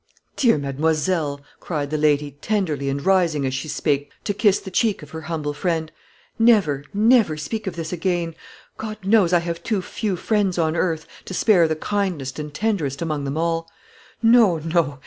"Dear mademoiselle," cried the lady, tenderly, and rising, as she spake, to kiss the cheek of her humble friend; "never never speak of this again. God knows I have too few friends on earth, to spare the kindest and tenderest among them all. No, no.